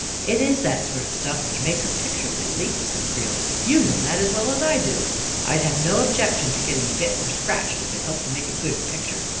" It is that sort of stuff which makes a picture, Billy," said Creel; " you know that as well as I do. I'd have no objection to getting bit or scratched, if it helped make a good picture.